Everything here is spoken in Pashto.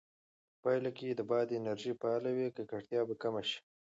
په پایله کې چې باد انرژي فعاله وي، ککړتیا به کمه شي.